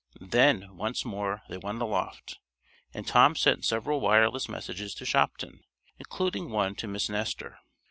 Then, once more, they went aloft, and Tom sent several wireless messages to Shopton, including one to Miss Nestor.